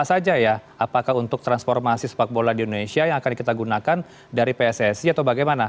apa saja ya apakah untuk transformasi sepak bola di indonesia yang akan kita gunakan dari pssi atau bagaimana